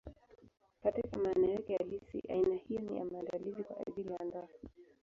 Katika maana yake halisi, aina hiyo ni ya maandalizi kwa ajili ya ndoa.